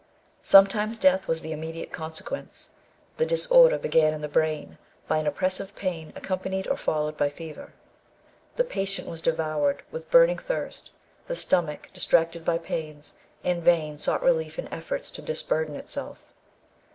Sometimes death was the immediate consequence. The disorder began in the brain, by an oppressive pain accompanied or followed by fever. The patient was devoured with burning thirst. The stomach, distracted by pains, in vain sought relief in efforts to disburden itself.